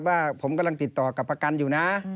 ว่าผมกำลังติดต่อกับประกันอยู่นะ